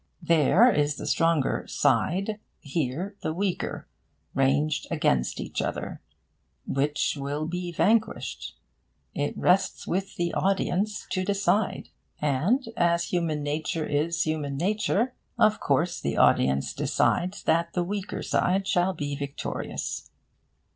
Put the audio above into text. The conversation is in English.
There is the stronger 'side,' here the weaker, ranged against each other. Which will be vanquished? It rests with the audience to decide. And, as human nature is human nature, of course the audience decides that the weaker side shall be victorious.